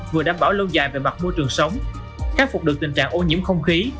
vừa đảm bảo lâu dài về mặt môi trường sống khắc phục được tình trạng ô nhiễm không khí